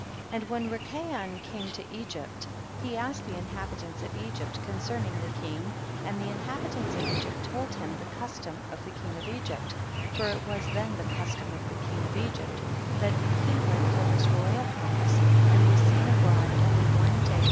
3. And when Rikayon came to Egypt he asked the inhabitants of Egypt concerning the king, and the inhabitants of Egypt told him the custom of the king of Egypt, for it was then the custom of the king of Egypt that he went from his royal palace and was seen abroad only one day i?